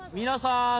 皆さん！